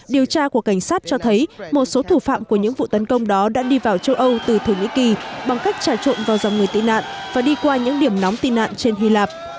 điều tra của cảnh sát cho thấy một số thủ phạm của những vụ tấn công đó đã đi vào châu âu từ thổ nhĩ kỳ bằng cách trả trộn vào dòng người tị nạn và đi qua những điểm nóng tị nạn trên hy lạp